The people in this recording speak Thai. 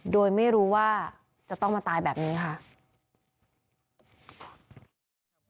โดยไม่รู้ว่าจะต้องมาตายแบบนี้ค่ะ